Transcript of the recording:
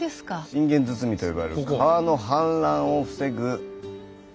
信玄堤と呼ばれる川の氾濫を防ぐシステムですね。